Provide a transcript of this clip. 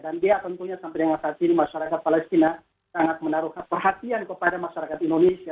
dan dia tentunya sampai dengan saat ini masyarakat palestina sangat menaruh perhatian kepada masyarakat indonesia